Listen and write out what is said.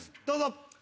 どうぞ。